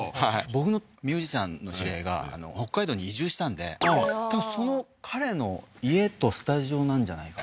僕のミュージシャンの知り合いが北海道に移住したんで多分その彼の家とスタジオなんじゃないかな